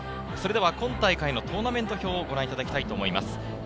それでは今大会のトーナメント表をご覧いただきます。